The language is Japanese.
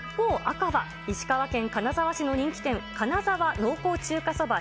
赤は石川県金沢市の人気店、金澤濃厚中華そば